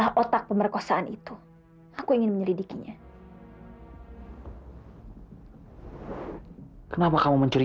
aku akan pergi aku ingin menyelidiki haim ini